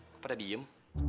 kok pada diem